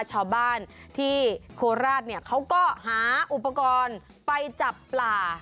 ชาวบ้านที่โคราชเนี่ยเขาก็หาอุปกรณ์ไปจับปลา